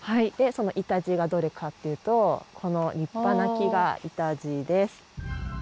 そのイタジイがどれかっていうとこの立派な木がイタジイです。